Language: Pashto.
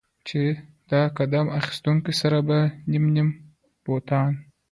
چې د قدم اخيستو سره به نيم نيم بوټان